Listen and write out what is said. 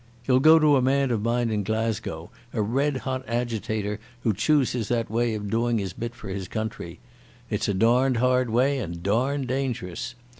You'll go to a man of mine in Glasgow, a red hot agitator who chooses that way of doing his bit for his country. It's a darned hard way and darned dangerous.